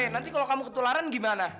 nanti kalau kamu ketularan gimana